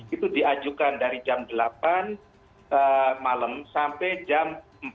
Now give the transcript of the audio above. itu diajukan dari jam delapan malam sampai jam empat